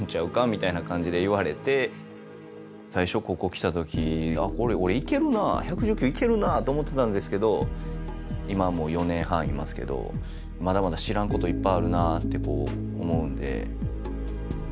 みたいな感じで言われて最初ここ来た時「あこれ俺いけるなぁ１１９いけるなぁ」と思ってたんですけど今もう４年半いますけどまだまだ知らんこといっぱいあるなぁってこう思うんで。